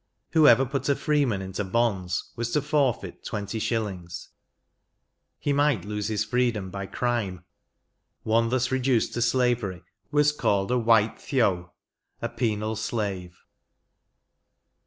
Whoever put a freeman into bonds was to forfeit twenty shillings: he might lose his freedom by crime ; one thus reduced to slavery was called a *'wite theoWy* a penal slave.